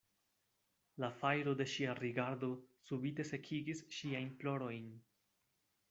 La fajro de ŝia rigardo subite sekigis ŝiajn plorojn.